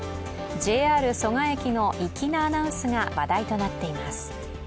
ＪＲ蘇我駅の粋なアナウンスが話題となっています。